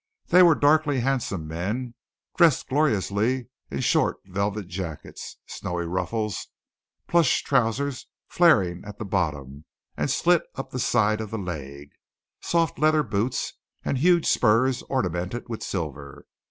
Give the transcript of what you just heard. They were darkly handsome men, dressed gloriously in short velvet jackets, snowy ruffles, plush trousers flaring at the bottom, and slit up the side of the leg, soft leather boots, and huge spurs ornamented with silver.